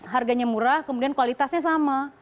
harganya murah kemudian kualitasnya sama